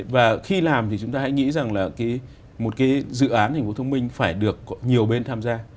và khi làm thì chúng ta hãy nghĩ rằng là một cái dự án thành phố thông minh phải được nhiều bên tham gia